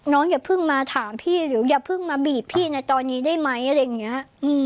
อย่าเพิ่งมาถามพี่เดี๋ยวอย่าเพิ่งมาบีบพี่ในตอนนี้ได้ไหมอะไรอย่างนี้